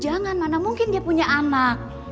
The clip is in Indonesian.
jangan mana mungkin dia punya anak